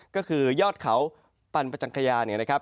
ก็คือยอดเขาปันประจังคยาเนี่ยนะครับ